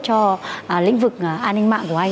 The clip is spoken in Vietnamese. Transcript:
cho lĩnh vực an ninh mạng của anh